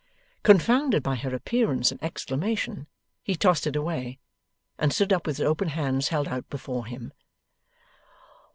Confounded by her appearance and exclamation, he tossed it away, and stood up with his open hands held out before him.